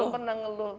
belum pernah ngeluh